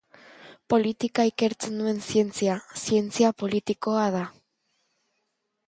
Politika ikertzen duen zientzia, zientzia politikoa da.